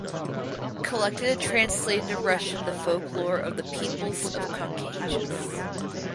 Collected and translated into Russian the folklore of the peoples of the Caucasus.